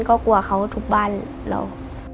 ก็กลัวเขาทุบบ้านเรา